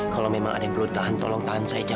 kalau memang ada yang perlu ditahan tolong tahan saja